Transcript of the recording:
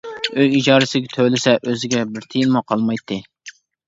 ئۆي ئىجارىسىگە تۆلىسە ئۆزىگە بىر تىيىنمۇ قالمايتتى.